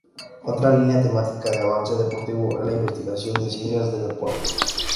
Otra línea temática de Avance Deportivo es la investigación en ciencias del deporte.